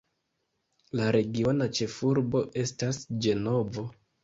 La regiona ĉefurbo estas Ĝenovo.